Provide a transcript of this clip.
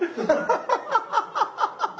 ハハハハハ！